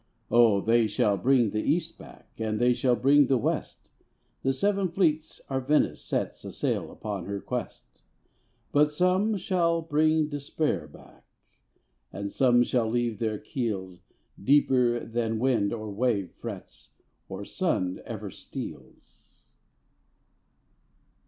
_Oh, they shall bring the East back, And they shall bring the West, The seven fleets our Venice sets A sail upon her quest. But some shall bring despair back And some shall leave their keels Deeper than wind or wave frets, Or sun ever steals.